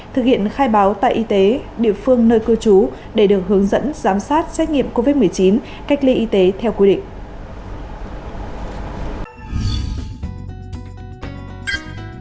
thực hiện khai báo tại y tế địa phương nơi cư trú để được hướng dẫn giám sát xét nghiệm covid một mươi chín cách ly y tế theo quy định